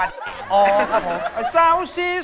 ไอ้ดุลอยู่ข้างนี้